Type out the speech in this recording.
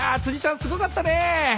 辻ちゃんすごかったね。